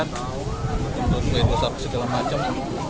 untuk keindosan segala macam